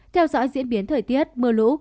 theo dõi diễn biến thời tiết mưa lũ